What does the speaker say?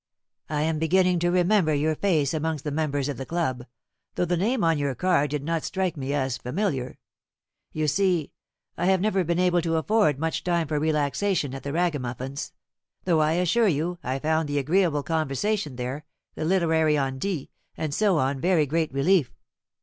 "I am beginning to remember your face amongst the members of the club, though the name on your card did not strike me as familiar. You see, I have never been able to afford much time for relaxation at the Ragamuffins', though I assure you I found the agreeable conversation there, the literary on dits, and so on, a very great relief.